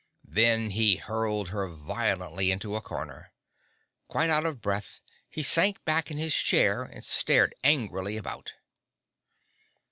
Then he hurled her violently into a corner. Quite out of breath he sank back in his chair and stared angrily about.